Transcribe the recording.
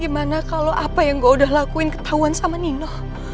gimana kalau apa yang gue udah lakuin ketahuan sama nino